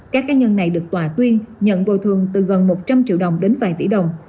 các cá nhân này được tòa tuyên nhận bồi thường từ gần một trăm linh triệu đồng đến vài tỷ đồng